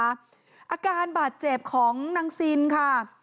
อาการบาดเจ็บของนางซินค่ะ